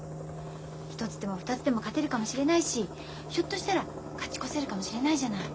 １つでも２つでも勝てるかもしれないしひょっとしたら勝ち越せるかもしれないじゃない。